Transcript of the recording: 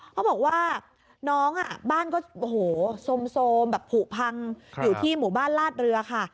เขาบอกว่าน้องบ้านก็โอ้โหโซมแบบผูกพังอยู่ที่หมู่บ้านลาดเรือค่ะ